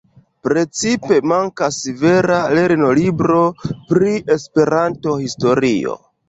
Precipe mankas vera lernolibro pri Esperanto-historio.